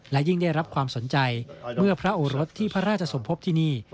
และยิ่งได้รับความสนใจเมื่อพระโอรสที่พระราชสมภพที่นี่